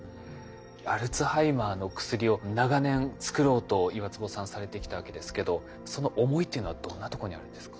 アルツハイマーの薬を長年作ろうと岩坪さんされてきたわけですけどその思いというのはどんなとこにあるんですか？